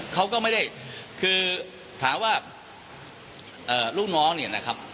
เขาก็ไม่ได้คือถามว่าลูกน้องเนี่ยนะครับ